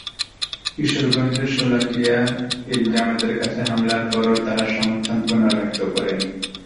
কিশোরগঞ্জের শোলাকিয়ায় ঈদের জামাতের কাছে হামলার পরও তাঁরা সমর্থন পুনর্ব্যক্ত করেন।